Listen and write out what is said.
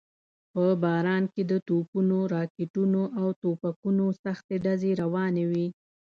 په باران کې د توپونو، راکټونو او ټوپکونو سختې ډزې روانې وې.